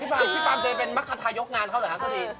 พี่ปามเจเป็นมรรคทายกงานเขาเหรอครับก็ดี